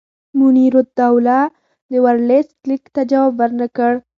منیرالدوله د ورلسټ لیک ته جواب ورنه کړ.